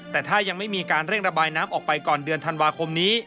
แต่ถ้ายังไม่มีการเร่งระบายน้ำออกไปก่อนเดือนธันวาคมนี้